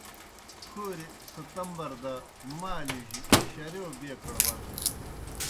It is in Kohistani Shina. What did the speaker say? ہوریْ ستمبر دہ مالِیؤجیْ شرِیؤ بیکوڑ وزنَن۔